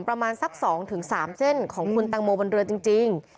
ประมาณสัก๒๓เส้นของคุณตังโมบนเรือจริง